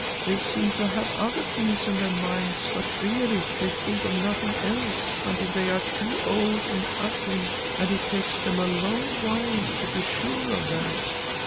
They seem to have other things in their minds, but really they think of nothing else until they are too old and ugly, and it takes them a long while to be sure of that."